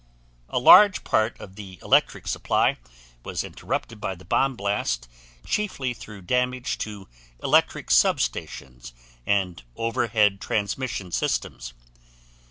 A large part of the electric supply was interrupted by the bomb blast chiefly through damage to electric substations and overhead transmission systems.